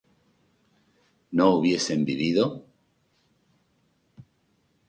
¿no hubiesen vivido?